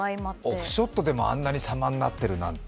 オフショットでもあんなに様になっているなんて